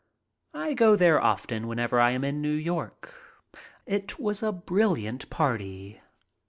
I go there often whenever I am in New York. It was a brilliant party.